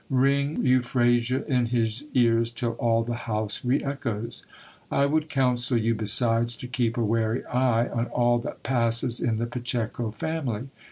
Ring Euphrasia in his ears till all the house re echoes. I would counsel you besides to keep a wary eye on all that passes in the Pacheco family.